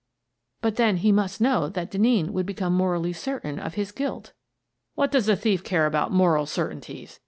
" But then he must know that Denneen would become morally certain of his guilt." "What does a thief care about moral certain ties?